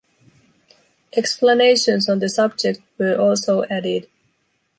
Explanations on the subject were also added.